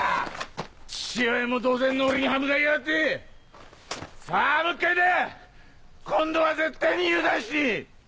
父親も同然の俺に刃向かいやがってさあもう１回だ今度は絶対に油断しねえ！